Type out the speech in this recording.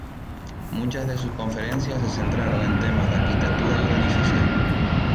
Muchas de sus conferencias se centraron en temas de arquitectura y organización.